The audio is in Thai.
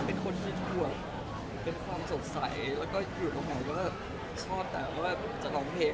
เป็นคนที่ดวกเป็นความสงสัยแล้วก็อยู่กับเขาก็ชอบแต่ว่าจะร้องเพลง